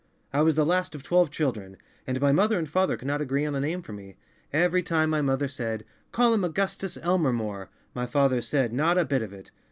I was the last of twelve children, and my mother and father could not agree on a name for me. Every time my mother said, ' Call him Augustus Elmer More,' my father said, ' not a bit of it.